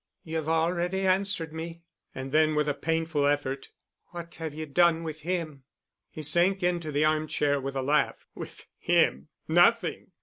"You've already answered me." And then, with a painful effort, "What have you done with him?" He sank into the armchair with a laugh. "With him? Nothing.